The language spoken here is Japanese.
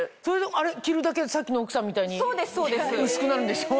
あれ着るだけでさっきの奥さんみたいに薄くなるんでしょ？